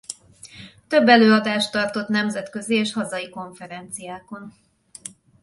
Több előadást tartott nemzetközi és hazai konferenciákon.